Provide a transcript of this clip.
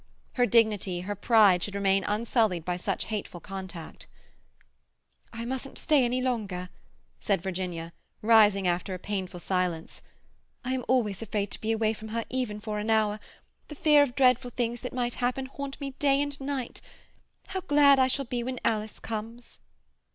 Her dignity, her pride, should remain unsullied by such hateful contact. "I mustn't stay longer," said Virginia, rising after a painful silence. "I am always afraid to be away from her even for an hour; the fear of dreadful things that might happen haunts me day and night. How glad I shall be when Alice comes!"